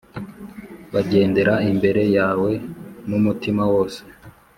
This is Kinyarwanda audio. bagendera imbere yawe n’umutima wose